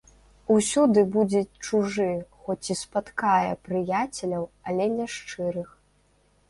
Усюды будзе чужы, хоць і спаткае прыяцеляў, але не шчырых.